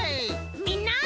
みんな。